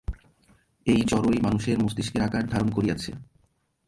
এই জড়ই মানুষের মস্তিষ্কের আকার ধারণ করিয়াছে।